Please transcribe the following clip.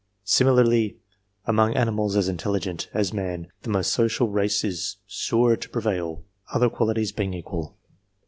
Similarly, among intelligent animals, the most social race is sure to prevail, other qualities being equal.